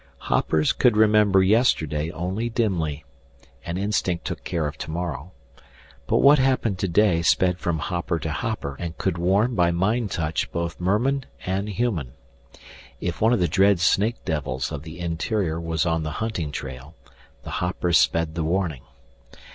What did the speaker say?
Hoppers could remember yesterday only dimly, and instinct took care of tomorrow. But what happened today sped from hopper to hopper and could warn by mind touch both merman and human. If one of the dread snake devils of the interior was on the hunting trail, the hoppers sped the warning.